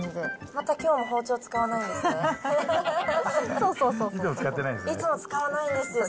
またきょうも包丁使わないんですね。